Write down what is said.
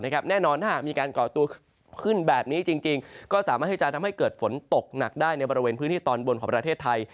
แน่นอนถ้าหากมีการก่อตัวขึ้นแบบนี้จริงก็สามารถที่จะทำให้เกิดฝนตกหนักได้ในบริเวณพื้นที่ตอนบนของประเทศไทย